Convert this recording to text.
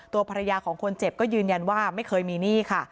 ตัวภรรยาของคนเจ็บก็ยืนยันว่าไม่เคยมีหนี้ค่ะ